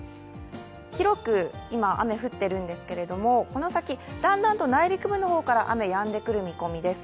広く今、雨が降っているんですけれども、この先、だんだんと内陸部の方から雨やんでくる見込みです。